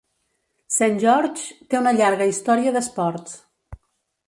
Saint George's té una llarga història d'esports.